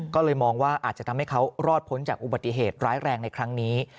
ก็เลยมองว่าอาจจะทำให้เขารอดพ้นจากอุบัติเหตุร้ายแรงในครั้งนี้